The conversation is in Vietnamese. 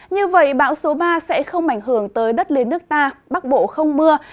như vậy bão số ba sẽ không ảnh hưởng tới đất liền nước ta bắc bộ không mưa